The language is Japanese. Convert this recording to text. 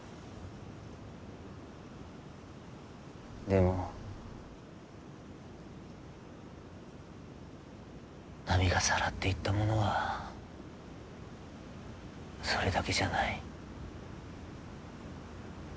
でも波がさらっていったものはそれだけじゃない。